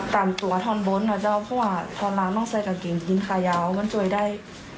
ตามตัวท่อนบนอ่ะเจ้าเพราะว่าท่อนล้างต้องใส่กางเกงขายาวมันช่วยได้